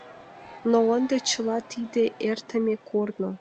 Но ынде чыла тиде — эртыме корно.